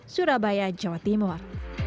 surabaya jawa timur